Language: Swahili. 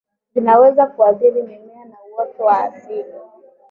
vinaweza kuathiri mimea na uoto wa asili